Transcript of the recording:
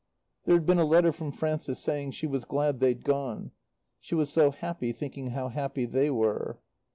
There had been a letter from Frances saying she was glad they'd gone. She was so happy thinking how happy they were.